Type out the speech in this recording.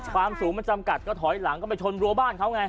ความสูงมันจำกัดก็ถอยหลังก็ไปชนรัวบ้านเขาไง